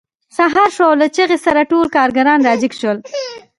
سهار شو او له چیغې سره ټول کارګران راجګ شول